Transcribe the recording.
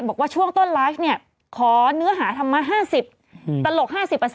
บอกว่าช่วงต้นลายฟ์ขอเนื้อหาทำมา๕๐ตะหลก๕๐